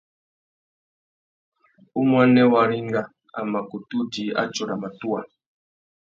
Umuênê Waringa a mà kutu djï atsôra matuwa.